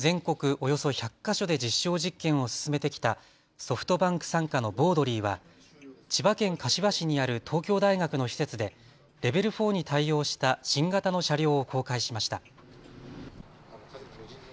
およそ１００か所で実証実験を進めてきたソフトバンク傘下のＢＯＬＤＬＹは千葉県柏市にある東京大学の施設でレベル４に対応した新型の車両を公開しました。